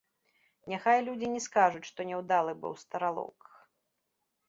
Няхай людзі не скажуць, што няўдалы быў стралок.